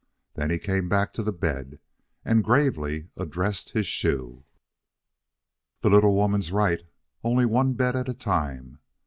Then he came back to the bed and gravely addressed his shoe: "The little woman's right. Only one bed at a time.